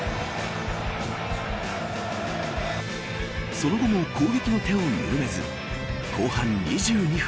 その後も攻撃の手を緩めず後半２２分。